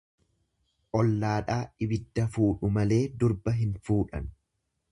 Ollaadhaa ibidda fuudhu malee durba hin fuudhan.